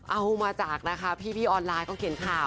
เอามาจากพี่ออนไลน์ก็เขียนข่าว